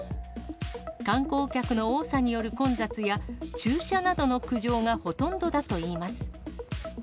観光客の多さによる混雑や、駐車などの苦情がほとんどだといいます。